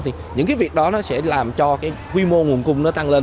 thì những cái việc đó nó sẽ làm cho cái quy mô nguồn cung nó tăng lên